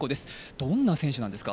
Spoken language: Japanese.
どんな選手ですか？